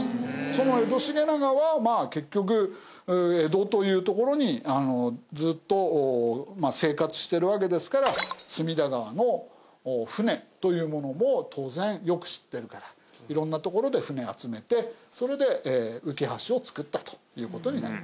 その江戸重長はまあ結局江戸という所にずっと生活してるわけですから隅田川の舟というものも当然よく知ってるから色んな所で舟を集めてそれで浮き橋を作ったという事になります。